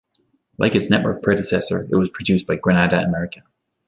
Like its network predecessor, it was produced by Granada America.